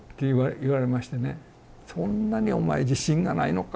「そんなにお前自信がないのか？」